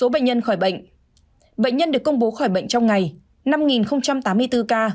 bệnh nhân được công bố khỏi bệnh trong ngày